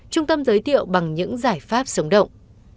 trung tâm giới thiệu bằng những giải pháp sống động